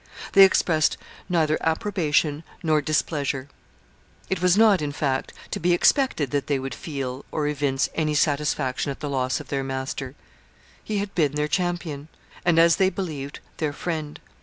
They expressed neither approbation nor displeasure. It was not, in fact, to be expected that they would feel or evince any satisfaction at the loss of their master. He had been their champion, and, as they believed, their friend.